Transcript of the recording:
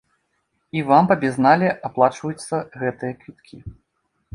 І вам па безнале аплачваюцца гэтыя квіткі.